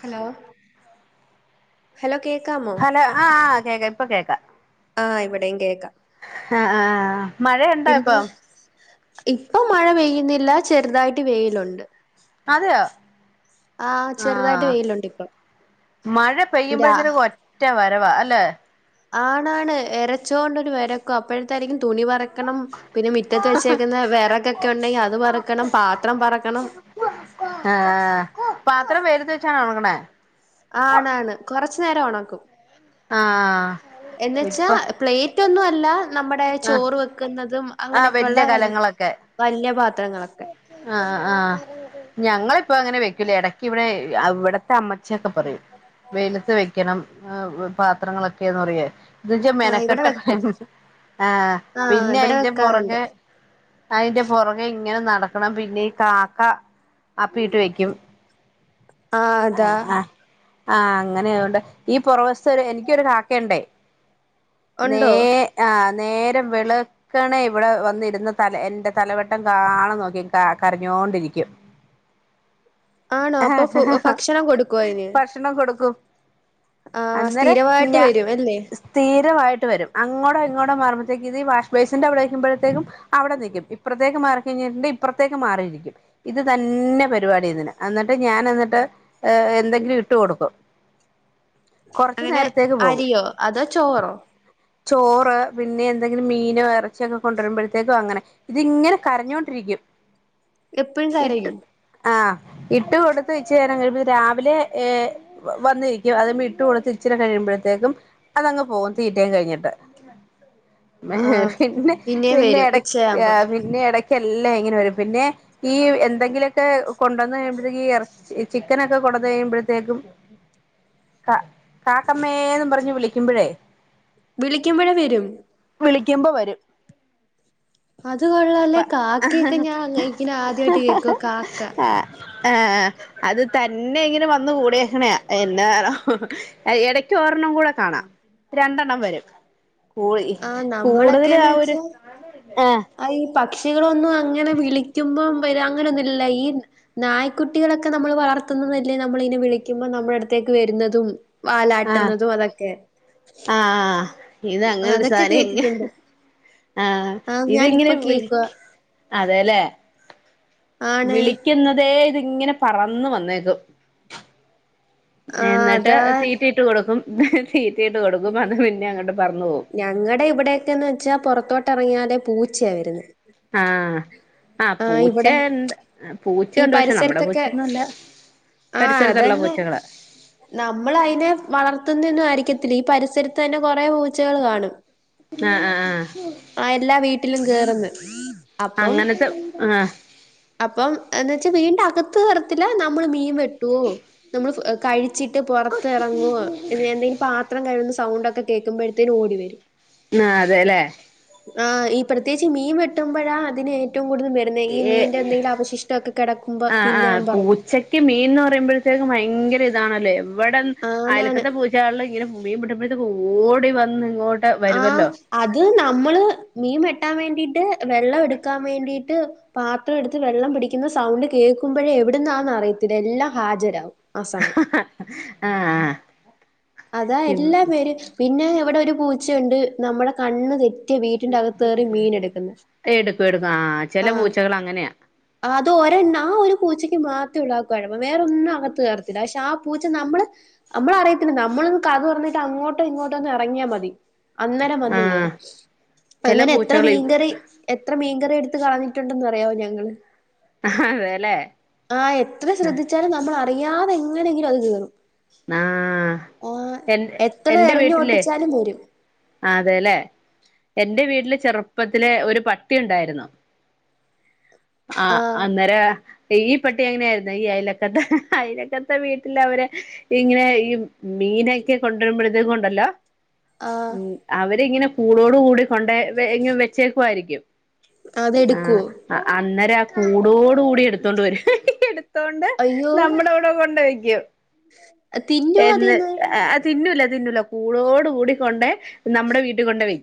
Hello hello കേക്കാമോ hello ആഹ് കേക്കാ ഇപ്പൊ കേക്കാ ആഹ് ഇവിടെയും കേക്കാം ആ ആ മഴണ്ടോ പിന്നെ ഇപ്പോ ഇപ്പൊ മഴ പെയ്യുന്നില്ല ചെറ്തായിട്ട് വെയിലുണ്ട് അതെയോ ആഹ് ആ ചെറുതായിട്ട് വെയിലുണ്ട് ഇപ്പം മഴ രാ പെയ്യുമ്പോഴത്തിനു ഒറ്റ വ രവാ അല്ലെ ആണാണ് എരച്ചോണ്ടോരു വരക്ക അപ്പോഴത്തായിരിക്കും തുണി പെറക്കണം പിന്നെ മിറ്റത്ത് വെച്ചേക്കുന്ന വെറക്കൊക്കെണ്ടെങ്കി അത് പെറക്കണം പാത്രം പെറക്കണം ആ പത്രം വെയിലത്ത് വെച്ചാണോ ഒണക്ക്ണേ ആണാണ് കൊറച്ചു നേരം ഒണക്കും ആഹ് എന്ന് വെച്ചാ ഇപ്പൊ പ്ലെയ്റ്റൊന്നു അല്ലാ നമ്മ ടെ ചോറ് വെക്കുന്നതും ആ അങ്ങനെയൊക്കെയുള്ള വല്യ വ കലങ്ങളൊക്കെ വല്യ പാത്രങ്ങളൊക്കെ ആ ആ ഞങ്ങളിപ്പോ അങ്ങനെ വെക്കൂലേ എടക്ക് ഇവിടെ അഇവിടുത്തെ അമ്മച്ചിയൊക്കെ പറയും വെയിലത്ത് വെക്കണം പാത്രങ്ങളൊക്കെന്ന് പറയേ ഇത് വെച്ചാ ആഹ് ഇവിടെ മെനക്കെട്ട വെക്കും പണിയാ ആ ആഹ് പിന്നെയി ഇവിടെ വെക്കാറുണ്ട് പൊറകെ അയിന്റെ പുറകെ ഇങ്ങനെ നടക്കണം പിന്നെ ഈ കാക്ക അപ്പീട്ട് വെക്കും ആഹ് അതാ ആ അങ്ങനെ ആയോണ്ട് ഈ പുറവശത്തൊരു എനിക്കൊരു കാക്കയുണ്ടേ നേ ഉണ്ടോ ആഹ് നേരം വെള്ക്ക്ണേ ഇവിടെ വന്നിര്ന്ന് തല എന്റെ തലവട്ടം കാണാനോക്കി കരഞ്ഞോ ണ്ടിരിക്കും ആണോ അപ്പൊ ഫു ഭക്ഷണം കൊടുക്കൊയിന് ഭക്ഷണം കൊടുക്കും അന്നേരം ഞ സ്ഥിരവായിട്ട് വരും അങ്ങോടോ ഇങ്ങോടോ മാറുമ്പത്തേക്ക് ഇത് വാഷ് ബൈസിന്റെ അവിടെ നിക്ക്മ്പോഴത്തേക്കും അവിടെ നിക്കും ഇപ്പറത്തേക്ക് മാറി കഴിഞ്ഞാ ഇത് ഇപ്പത്തേക്ക് മാ റി നിക്കും ഇത് തന്നെ പരിപാടിതിന് അന്നിട്ട് ഞാന് എന്നിട്ട് ഏ എന്തെങ്കിലും ഇട്ട് കൊട്ക്കും അങ്ങനെ കൊറച്ച്നേരത്തേക്ക് പോവും അരിയോ അതോ ചോറോ ചോറ് പിന്നെ എന്തെങ്കിലും മീനോ ഇറച്ചിയൊക്കെ കൊണ്ടുവരുമ്പോഴത്തേക്കും അങ്ങനെ ഇതിങ്ങനെ കരഞ്ഞൊണ്ടിരിക്കും എപ്പഴും കരയും ഇട്ട് കൊടുത്ത് ഇച്ചേരം കഴ് രാവിലെ ഏ വന്നിരിക്കും അത് ഇട്ട് കൊടുത്ത് ഇച്ചിരി കഴിയുമ്പോഴത്തേക്കും അതങ്ങ് പോവും പി റ്റേന്ന് കഴിഞ്ഞ്ട്ട് ആഹ് പിന്നെ പിന്നേം പിന്നെ വരും എട ഉച്ചയാവുമ്പോ പിന്നെ എട ക്കേല്ലാം ഇങ്ങനെ വരും പിന്നെ ഈ എന്തെങ്കിലുക്കെ കൊണ്ടോന്ന് കഴിയുമ്പോഴത്തേക്ക് എറ ചി ക്കനൊക്കെ കൊടുത്ത് കഴിയുമ്പോഴത്തേക്കും കാക്കമ്മേ ന്നും പറഞ്ഞുവിളി. വിളി ക്കിമ്പയ്‌ വിളിക്കുമ്പോഴ വരും. ക്മ്പ വരും. അത് ആ കൊള്ളാല്ലേ കാക്കയൊക്കെ ഞാൻ അങ്ങ ഇങ്ങനെ ആദ്യായിട്ട് കേക്കുവാ [unintelligible] കാക്ക ആഹ് അത് തന്നെ ഇങ്ങനെ വന്ന കൂഡെക്കണേ എന്താനവോ ഇടക്കോരെണ്ണംകൂടെ കാണാം. രണ്ടെണ്ണം വരും. പോയി ആഹ് കൂടുതൽ നമ്മളൊക്കേന്ന് ആ ഒരു ആഹ കുട്ടികളൊന്നും അങ്ങനെ വിളിക്കുമ്പം. ഇപ്പൊ അങ്ങനെന്നുമ ഇല്ല ഈ നായ്ക്കുട്ടി കളോക്കെ നമ്മള് വളർത്തുന്നതല്ലേ നമ്മള അയിനെ വിളിക്കുമ്പോ നമ്മുടെ അടുത്തേ ക്ക വരുന്നതും ആ വാലാട്ടുന്നതും അതൊക്കെ. ആ അതൊക്കെ കേട്ടിട്ടുണ്ട്. ആഹ് ഇതങ്ങിന ഞാനിപ്പ കേക്കുവാ വിളിക്ക്‌ അതെല്ലേ. ആണ് വിളിക്കുന്നതേ ഇതിങ്ങനെ പറന്ന് വന്നേകും. ആഹ് എന്ന് ട്ട് അതാ തീറ്റിയിട്ട് കൊടുക്കും. [unintelligible] അത് പിന്നെ അങ്ങോട്ട് പറന്നു പോകും ഞങ്ങടെ ഇവിടെക്കന്ന് വെച്ചാ പുൊറത്തോ തൊറങ്ങിയാലേ പൂച്ച വരുന്നെ. ആഹ ആഹ ആഹ് പൂച ഇവിടെ ചെണ്ട് ആ പൂച്ച ഉണ്ട്. പക്ഷെ നമ്മുടെ പൂച്ചൊന്നുംല്ല. ആഹ അതന്നെ നമ്മള് അയി നെ വളർത്തുന്നന്നും ആയിരിക്ക ത്രീ പരിസരത്ത് തന്നെ കൊറേ പൂച്ചകൾ കാണും. ആഹ ആഹ ആഹ ആ എല്ലാ വീട്ടിലും കേർന്ന് അപ്പം. അങ്ങനത്തെ ആഹ് അപ്പം എന്ന് വച്ചാവീടിന്റെ അകത്ത് കെറത്തില്ല. നമ്മള് മീൻ വെട്ടോ നമ്മൾ കഴി ച്ചിട്ട് പുറത്ത്ഇറങ്ങു വോ എന്തെങ്കിലും പാത്രം കഴികുന്ന സൗണ്ട് ഒക്കെ കേക്കുമ്പോഴത്തേനും ഓടി വരും. ആ അതെല്ലേ? ആ ഈ പ്രത്യേകിച്ച് മീൻ വെട്ടുമ്പോഴാ അതിന് ഏറ്റവും കൂടുതൽ വരുന്നെ ഈ മീൻ. ആ ആഹൊ പറഞ്ഞ്. പൂച്ചക്ക് മീൻന്ന് പറയുമ്പോഴത്തേക്കും ഭയങ്കര. ഇതാണല്ലോ എവിടെ ആന്നാണ്. അയലക്കത്തെ പൂചകൾ ഇങ്ങനെ മീൻവെട്ടുമ്പ ഴത്തക്കെ ഓടി വന്ന് ഇങ്ങോട്ട ആ അത് നമ്മള് മീൻ വേട്ടാൻ വേണ്ടിട്ട് വെള്ളം എടുക്കാൻ വേണ്ടിട്ട് പാത്രം എടുത്ത് വെള്ളം പിടിക്കുന്ന സൗണ്ട് കേൾക്കുമ്പോഴ എവിടുന്ന അറിയത്തില്ല എല്ലാം ഹാജരാവും ആ സമയം. ആഹ അതാ എല്ലാ പേരും പിന്നെ ഇവിടെ ഒരു പൂച്ചയുണ്ട് നമ്മുടെ കണ്ണ് തെറ്റ് മറ്റേ വീട്ടിന്റെ അകത്ത്കേറി മീൻ എടുക്കുന്ന് എടുക്കും എടുക്കും ആഹ് ചില ആഹ പൂച്ചകൾ അങ്ങനെയാ അത് ഒരെണ്ണ ആ ഒരു പൂച്ചയ്ക്ക് മാത്രമ ഉള്ളാകുഴപ്പം വേറൊന്നും അകത്ത് കേർത്തില്ല പക്ഷെ ആ പൂച്ച നമ്മള് നമ്മള അറിയത്തില്ലാ നമ്മളൊന്ന് കതക് തുറന്നിട്ട്‌ അങ്ങോട്ടോ ഇങ്ങോട്ടോ ഒന്ന് ഇറങ്ങിയാൽ മതി അന്നരം ആഹ് വന്ന്കേറും ചില അങ്ങനെ പൂച്ചകൾ എത്രമീൻകറി എത്രമീൻകറി എടു കളഞ്ഞിട്ടുണ്ടെന്ന് അറിയമോ ഞങ്ങള് അതെല്ലേ ആ എത്ര ശ്രദ്ധിച്ചാലും നമ്മൾ അറിയ ഞാൻ എങ്ങനെങ്കിലും അത് ചീറും ആഹ് ആഹ എ എത്ര എന്റെ എറിഞ്ഞു വീട്ടിലേ ഓട്ടിച്ചാലും പോരും അതെല്ലേ എന്റെ വീട്ടില് ചെറുപ്പത്തിലെ ഒരു പട്ടി ഉണ്ടായിരുന്നു ആഹ ആഹ് അന്നേര ഈ പട്ടി എങ്ങനെയ ആരുന്ന ഈ അലക്കത്ത് അലക്കത്തെ വീട്ടിൽ അവരെ ഇങ്ങനെ ഈ മീനൊക്കെ കൊണ്ടുവരുമ്പോഴത്ത കൊണ്ടല്ലോ ആഹ് ഉ അവരിങ്ങനെ പൂളോട് കൂടി കൊണ്ടേ വെച്ചേക്കുആയിരിക്കും ആ അതെടുക്കുവോ അന്നെര കൂടോട് കൂടി എടുത്തോണ്ട് വരും അയ്യോ നമ്മുടെ അവിടെ കൊണ്ട് വെക്കും തിന്നുവോ എന്ന് അതീന്ന് തിന്നൂല തിന്നൂല്ലാ കൂടോട് കൂടിക്കൊണ്ട് നമ്മുടെ വീട്ടിൽ കൊണ്ട് വെ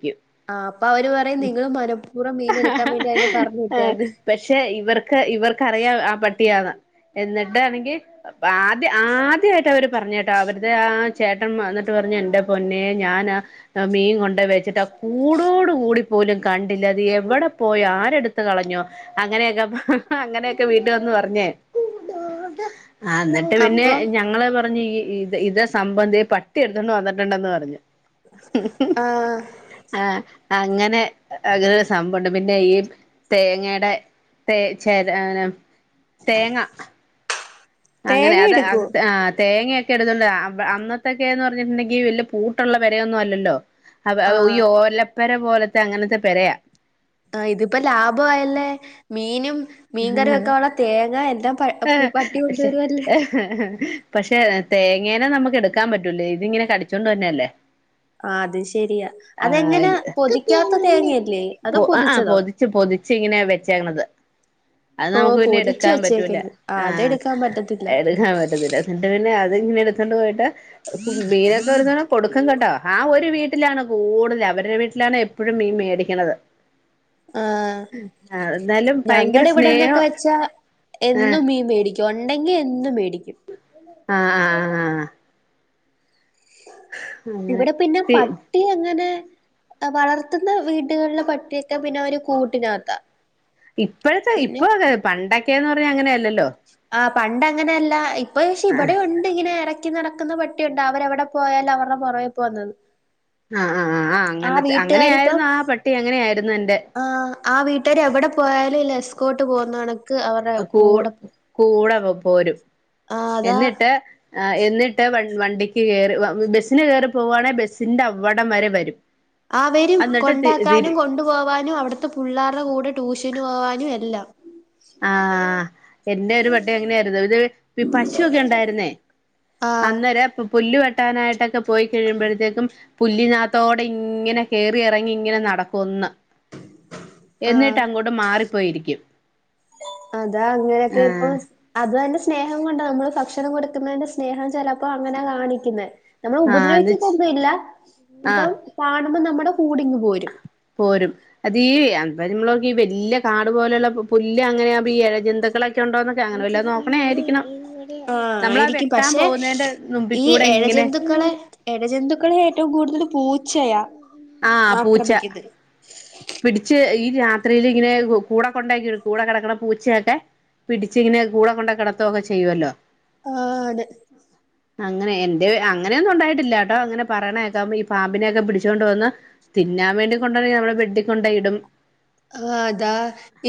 ആഹ് അപ്പൊ അവര് പറയും നിങ്ങള് മനഃപൂർവ്വം മീൻ എടുക്കാൻ വേണ്ടി അതിനെ പറഞ്ഞു വിട്ടയാന്ന് പക്ഷെ ഇവർ ഇവർക്കറിയാം ആ പട്ടിയാണ് എന്നിട്ടാണെങ്കിൽ ആദ്യ ആദ്യായിട്ടാ അവർ പറഞ്ഞേട്ടോ അവരുടെ ആ ചേട്ടൻ വന്നിട്ട് പറഞ്ഞു എന്റെ പൊന്നെ ഞാൻ മീൻ കൊണ്ട വെച്ചിട്ട് കൂടോട് കൂടി പോലും കണ്ടില്ല അത് എവിടെ പോയ ആരെടുത്ത് കളഞ്ഞോ അങ്ങനെയൊക്കെ അങ്ങനെയൊക്കെ വീട്ട വന്ന് പറഞ്ഞേ ആ എന്നിട്ട് പിന്നെ അപ്പം ഞങ്ങള് പറഞ്ഞു ഈ ഇ ഇത സംബന്ധി പട്ടിയെടുത്തണ്ട് വന്നിട്ടുണ്ടെന്ന് പറഞ്ഞു ആഹ് ആഹ അങ്ങനെ അകൃ സംഭവുണ്ട് പിന്നെ ഈ തേങ്ങയുടെ തേ ചേനെ തേങ്ങ അങ്ങനെ തേങ്ങ അത എടുക്കുവോ ആ് തേങ്ങൊക്കെ അന്നത്തൊക്കെന്ന് പറഞ്ഞിട്ടുണ്ടെങ്കിൽ വലിയ പൂട്ടോള്ള പെര ഒന്നും അല്ലല്ലോ അ ഈ ആഹ് ഓലപ്പര പോലത്തെ അങ്ങനത്തെ പെരയാ ആ ഇതിപ്പോ ലാഭയല്ലേ മീനും മീൻകറി വെക്കാനുള്ള തേങ്ങ എല്ലാം പ പട്ടി കൊണ്ടുവരുുംല്ലേ പക്ഷേ തേങ്ങേനെ നമുക്ക് എടുക്കാൻ പറ്റൂലേ ഇതി ഇങ്ങനെ കടിച്ചൊണ്ട് തന്നെയല്ലേ ആഹ് അത് ശരിയാ അതെങ്ങനെ പൊതിക്കാത്ത തേങ്ങയല്ലേ അതോ ആ ആ പൊതിച്ചതോ പോദിച്ച പൊതിച്ച് ഇങ്ങനെയ വെച്ചേത് അത് ഓഹ് നമുക്ക് പിന്നെ പൊതിച്ചു എടുക്കാൻ പറ്റൂില്ല വെച്ചേക്കണ് ആ ആഹ് അതെടുക്കാൻ പറ്റത്തില്ല എടുക്കാൻ പറ്റത്തില്ല എന്നിട്ട് പിന്നെ അത് ഇങ്ങനെ എടുത്തണ്ട് പോയിട്ട് മീനൊക്കെ ഒരുരോ കൊടുക്കും കേട്ടോ ആ ഒരു വീട്ടിലാണ് കൂടുതൽ അവരുടെ വീട്ടിലാണ് എപ്പോഴും മീൻ മേടിക്കണത് ആ എന്നാലും ഭയങ്കര നിങ്ങളുടെ ഇവിടെന്നൊക്കെ സ്നേഹം വെച്ചാ ആഹ് എന്നും മീൻ മേടിക്കും ഉണ്ടെങ്കി എന്നും മേടിക്കും ആ ആ ആ ഇവിടെ പിന്നെ പി പട്ടി എങ്ങനെ വളർത്തുന്ന വീടുകളെ പട്ടിയൊക്കെ പിന്നെ അവര് കൂട്ടിനകത്ത ഇപ്പോഴത്തെ ഇപ്പൊ പണ്ടൊക്കെന്ന് പറഞ്ഞ അങ്ങനെയല്ലോ ആ പണ്ട അങ്ങനെയല്ല ഇപ്പൊ പക്ഷെ ആഹ് ഇവിടെ ഉണ്ട് ഇങ്ങനെ ഇ ക്കി നടക്കുന്ന പട്ടിയുണ്ട് അവരെവിടെ പോയാലും അവരുടെ പുറകേ പോന്നത് ആഓ ആ വീട്ടുകാരിപ്പ എന്റെ ആ ആ വീട്ടുകാാര് എവിടെ പോയാലും. ല്ലസ് ക്കോട്ട് പോന്നതാണ്. കൂ കൂടെ പോരും ആഹ് അതാ എന്നിട്ട്. ആ എന്നിട്ട് വ വണ്ടിക്ക് കറി ബസ്സിന് കയറി പോവുകവാണെ ബസിന്റെ അവിടം വരെ വരും. അവരും എന്നിട്ട് തി തിരി കൊണ്ടാക്കാനും. കൊണ്ടു പോവാനും. അവിടുത്തെ പിള്ളേരുടെ കൂടെ ട്യൂഷന് പോവാനും. എല്ലാം. ആഹ എന്റെ ഒരു പട്ടി എങ്ങനെയായിരുന്നു. ഇത് പശുൊക്കെ ഉണ്ടായിരുന്നേ ആഹ് അന്നേര പുല്ലുവട്ട കിട്ടാനായിട്ടൊക്കെ പോയി കഴിയുമ്പോഴത്തേക്കും പുല്ലിനാത്തോടെ ഇങ്ങനെ കയറി ഇറങ്ങി ഇങ്ങനെ നടക്കും ഒന്ന്. എന്നിട്ട് ആഹ് അങ്ങോട്ട് മാറിപ്പോയിരിക്കും. അതാ അങ്ങനെയൊക്കെ ഇപ്പൊ ആഹ് അത് തന്നെ. സ്നേഹം കൊണ്ട് നമ്മള് ഭക്ഷണം കൊടുക്കുന്നതിന്റെ സ്നേഹം ചെിലപ്പോ അങ്ങനെ കാണിക്കുന്നത്. നമ്മൾ ആഹ് അത് ഉപദ്രവിച്ചട്ടൊന്നും ഇല്ല ഇപ്പൊ ആഹ് കാണുമ്പോ നമ്മുടെ കൂടിങ്ങ് പോരും. പോരും അതീഈ എ നമ്മളക്ക് ഈ വലിയ കാട് പോലെയുള്ള പുല്ല്. അങ്ങനെ ആകുമ്പോ ഈ ഇഴജന്ത് ക്കൊക്കെ ഉണ്ടോക്കെ അങ്ങനെ വല്ലോണ ആയിരിക്കണം. ആ നമ്മളാ ആയിരിക്കും വെട്ടാൻ പക്ഷെ പോകുന്നതിന്റെ നുമ്പി ഈ കൂടെ ഇങ്ങനെ എയജന്തുക്കളെ എയ ജന്തുക്കളെ ആയിററും. കൂടുതൽ പൂച്ചയാ ആഹ പൂച്ച ആക്രമിക്കുന്നത് പിടിച്ച്. ഈ രാത്രിൽ ഇങ്ങനെ കൂടെ കൊണ്ടാക്കി കൂടെ കിടക്കണ പൂച്ചയൊക്കെ. പിടിച്ചിങ്ങനെ കൂടെ കൊണ്ട കിടത്തുവൊക്കെ ചെയ്യുവല്ലോ. ആ അതെ അങ്ങനെ എന്റെ അങ്ങനെയൊന്നും ഉണ്ടായിട്ടില്ലാ കേട്ടോ അങ്ങനെ പറണേക്കാ ഈ പാമ്പിനെയൊക്കെ പിടിച്ചൊണ്ടണ്ട് വന്ന തിന്നാൻ വേണ്ടി കൊണ്ട നമ്മുടെ ബെഡ കൊണ്ടോ ഇയിടും ആഹ അതാ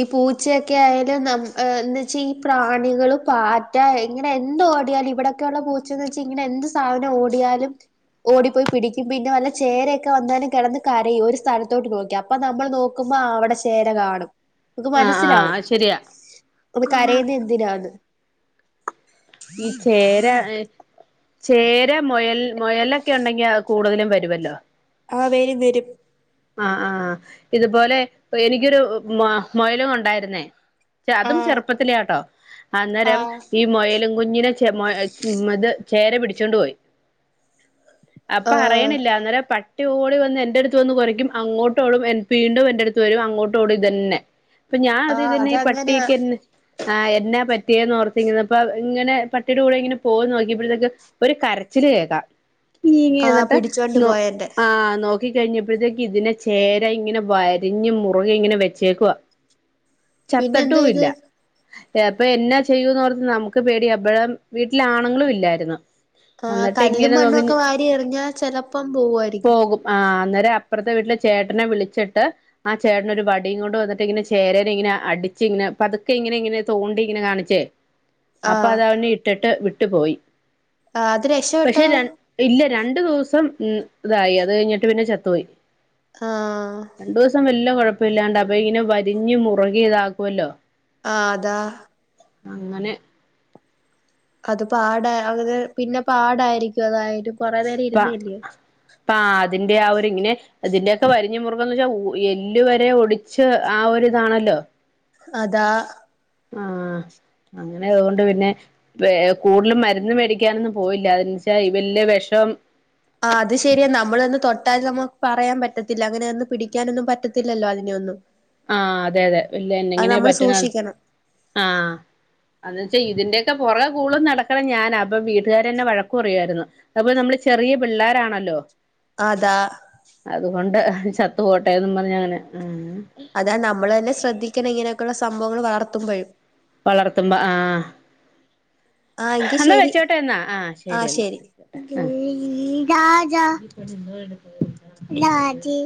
ഈ പൂച്ചയൊക്കെ ആയ വെച്ചാ ഈ പ്രാണികൾ പാറ്റ ഇങ്ങനെ എന്താ ഓടിയാലും ഇവിടെൊക്കെള്ള പൂച്ച ഇങ്ങനെ എന്ത് സാധനം ഓടിയാലും ഓടിപ്പോയി പിടിക്കും പിന്നെ വല്ല ചേരയൊക്കെ വന്നാലും കിടന്ന് കരയും ഒരു സ്ഥലത്തോട്ട് നോക്കി അപ്പൊ നമ്മൾ നോക്കുമ്പോ അവിടെ അവിടെ ചേര കാണും നമുക്ക് ആ ആ മനസ്സിലാവും ശരിയാ നിന്ന് കരയുന്ന എന്തിനാന്ന് ഈ ചേരാ ചേര മുയൽ മുയലൊക്കെ ഉണ്ടെങ്കി കൂടുതലും വരുമല്ലോ അവ വരും വരും ആ ആഹ് ഇതുപോലെ എനിക്കൊരു മ മൊയലും ഉണ്ടായിരുന്നേ അതും ആഹ് ചെറുപ്പത്തിലാട്ടോ അന്നേരം ആഹ് ഈ മൊയലും കുഞ്ഞിനെ ചെ ഇത് ചേര പിടിച്ചോണ്ട് പോയി അപ്പൊ അറിയണില്ല അന്നേര പട്ടി ഓടി വന്ന് എന്റെ അടുത്ത് വന്ന് കുറയ്ക്കും അങ്ങോട്ടോടും എ വീണ്ടും എന്റെ അടുത്ത് വരും അങ്ങോട്ടോടും ഇതന്നെ അപ്പൊ ഞാൻ അത് ആഹ് ഇതന്നെ ഈ അതങ്ങനെ പട്ടിക്ക് ആ എന്നാ പറ്റിയേന്ന് ഓർത്തിങ്ങുന്ന അപ്പൊ ഇങ്ങനെ പട്ടിയുടെ കൂടെ ഇങ്ങനെ പോകന്ന് നോക്കിയപ്പോഴത്തേക്ക ഒരു കരച്ച കരച്ചിൽ കേക്കാം ങേ ആ എന്നിട്ട് പിടിച്ചോണ്ട് ന പോയെന്റെ ആ നോ നോക്കി കഴിഞ്ഞപ്പോഴത്തേക്ക് ഇതിനെ ചേര ഇങ്ങനെ വരഞ്ഞ് മുറുകെ ഇങ്ങനെ വെച്ചേക്കവാ പിന്നെ എന്ത് ചത്തട്ടും ചെയ്ത് ഇല്ല അപ്പൊ എന്നാ ചെയ്യൂന്നോർത്ത് നമുക്ക് പേടിയ അപ്പോഴം വീട്ടില ആണുങ്ങളും ഇല്ലായിരുന്നു ആ എന്നിട്ട് കല്ലും ഇങ്ങനെ മണ്ണും നോക്കി ഒക്കെ വാരി എറിഞ്ഞാ ചെലപ്പം പോവുമായിരിക്കും പോകും ആ അന്നേരം അപ്പുറത്തെ വീട്ടിലെ ചേട്ടനെ വിളിച്ചിട്ട് ആ ചേട്ടന ഒരു വടിയും കൊണ്ട് വന്നിട്ട് ഇങ്ങനെ ചേരന ഇങ്ങനെ അടിച്ച ഇങ്ങനെ അ പതുക്കെ ഇങ്ങനെ ഇങ്ങനെ തോണ്ടി ഇങ്ങനെ കാണിച്ചേ അപ്പൊ ആഹ് അത അവനെ ഇട്ടിട്ട് വിട്ടു പോയി ആ അത് പക്ഷെ രക്ഷപ്പെട്ടോ ര ഇല്ല രണ്ടു ദിവസം ഉ ഇതായി അത് കഴിഞ്ഞിട്ട് പിന്നെ ചത്തുപോയി ആഹ കുഴപ്പില്ലാണ്ട് അപ്പൊ ഇങ്ങനെ വരിഞ്ഞ് മുറുകി ഇതാക്കുമല്ലോ ആ അതാ അങ്ങനെ. അത് പാട... പിന്നെ പാടായിരിക്കും അതായാലും. പ പാ അതിന്റെ ആ ഒരു ഇങ്ങനെ അതിന്റെക്കെ വരിഞ്ഞ മുറു കുംന്ന് വെച്ചാ എല്ല് വരെ ഒടിച്ച് ആ ഒരിതാണല്ലോ. അതാ. ആ. അങ്ങനെ അവോണ്ട് പിന്നെ ഏ കൂടുതലും മരുന്ന് മേടിക്കാനൊന്നും പോയില്ല അത്‌ എന്താ വെച്ചാൽ ഇ വല്ല്യ ഷോം ആ അത് ശെരിയാ നമ്മളോന്ന് തൊട്ട് ട്ടാൽ നമുക്ക് പറയാൻ പറ്റത്തില്ല അങ്ങനെ ഒന്ന് പിടിക്കാനൊന്നും പറ്റത്തില്ലല്ലോ അതിനെയൊന്നും. ആ അതെ അതെ വല്യ അത് എങ്ങനെ നമ്മള് പറ്റണം സൂക്ഷിക്കണം ആ അ ചെയ ഇതിന്റെയൊക്കെ പുറകെ കൂടുതലും നടക്കണം ഞാനാ അപ്പം വീട്ടുകാരന്നെ വഴക്ക പറയുവായിരുന്നു അതു പോലെ നമ്മള് ചെറിയ പിള്ളേര് ആണല്ലോ. ആ താ. കൊണ്ട് ചത്തു പോട്ടെ ന്നും പറഞ് അങ്ങനെ. അതാ നമ്മൾ ന്നെ ശ്രദ്ധിക്കണം ഇങ്ങനെയൊക്കെയുള്ള സംഭവങ്ങൾ വളർത്തുമ്പോഴും. വളർത്തുമ്പോ ആ. ആ എങ്കി എന്നാ ശരി വെച്ചോട്ടെ ന്നാ ആ ശരി എന്നാ അ. ഉ രാജാ രാജി.